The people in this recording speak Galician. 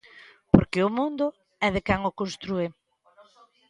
Porque o mundo é de quen o constrúe.